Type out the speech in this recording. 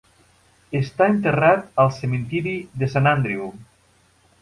Està enterrat al cementiri de Sant Andrew.